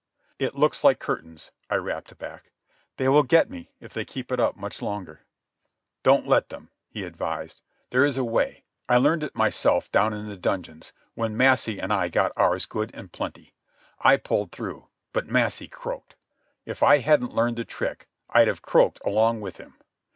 "It looks like curtains," I rapped back. "They will get me if they keep it up much longer." "Don't let them," he advised. "There is a way. I learned it myself, down in the dungeons, when Massie and I got ours good and plenty. I pulled through. But Massie croaked. If I hadn't learned the trick, I'd have croaked along with him.